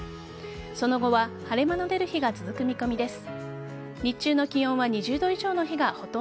その後は晴れ間の出る日が続く見込みです。